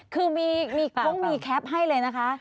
ก็มีแคปเพิ่มเลยนะคะ